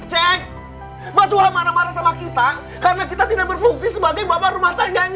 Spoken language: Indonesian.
cek basua marah marah sama kita karena kita tidak berfungsi sebagai bapak rumah tangga yang